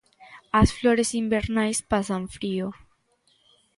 As flores invernais pasan frío.